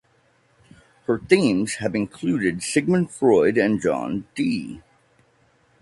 Her themes have included Sigmund Freud and John Dee.